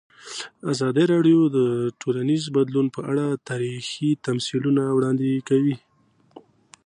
ازادي راډیو د ټولنیز بدلون په اړه تاریخي تمثیلونه وړاندې کړي.